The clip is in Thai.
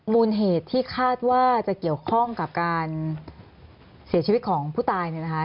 มูลเหตุที่คาดว่าจะเกี่ยวข้องกับการเสียชีวิตของผู้ตายเนี่ยนะคะ